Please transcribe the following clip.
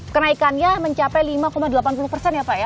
kenaikannya mencapai lima delapan puluh persen ya pak ya